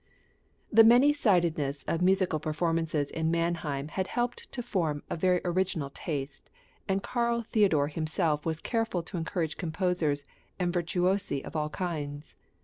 The many sidedness of musical performances in Mannheim had helped to form a very original taste, and Karl Theodor himself was careful to encourage composers and virtuosi of all kinds.